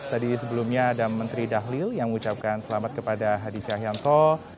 tadi sebelumnya ada menteri dahlil yang mengucapkan selamat kepada hadi cahyanto